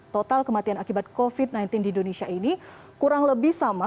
total kematian akibat covid sembilan belas di indonesia ini kurang lebih sama